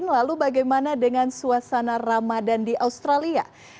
lalu bagaimana dengan suasana ramadan di australia